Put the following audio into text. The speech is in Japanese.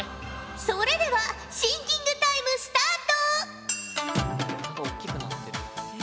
それではシンキングタイムスタート！